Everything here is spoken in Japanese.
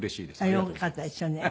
あっよかったですよね。